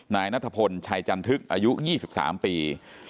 นายนัทพลชัยจันทึกอายุ๒๓ปี